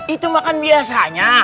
itu makan biasanya